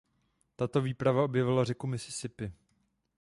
Tato výprava objevila řeku Mississippi.